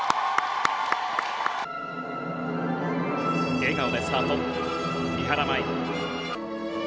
笑顔でスタート、三原舞依。